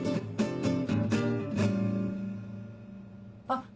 あっ！